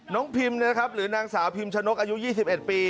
พิมนะครับหรือนางสาวพิมชะนกอายุ๒๑ปี